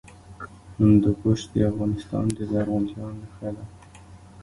هندوکش د افغانستان د زرغونتیا نښه ده.